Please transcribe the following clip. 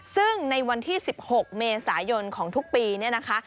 ซึ่งในวันที่๑๖เมษายนของทุกปีเนี่ยนะคะ